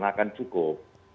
karena akan cukup